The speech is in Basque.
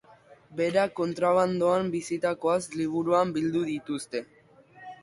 Berak kontrabandoan bizitakoaz liburuan bildu dituzte.